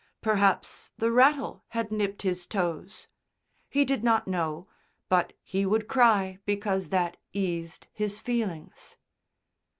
Perhaps the rattle had nipped his toes. He did not know, but he would cry because that eased his feelings.